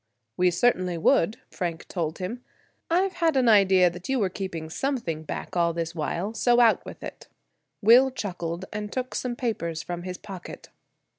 "We certainly would," Frank told him; "I've had an idea that you were keeping something back all this while; so out with it." Will chuckled, and took some papers from his pocket.